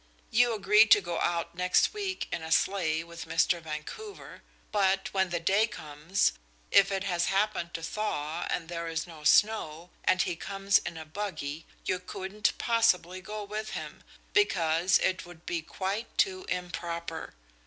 You agree to go out next week in a sleigh with Mr. Vancouver; but when the day comes, if it has happened to thaw and there is no snow, and he comes in a buggy, you couldn't possibly go with him, because it would be quite too improper.